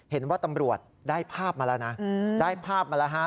เห็นว่าตำรวจได้ภาพมาแล้วนะได้ภาพมาแล้วฮะ